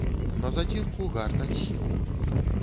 На зацірку гарт адсеў.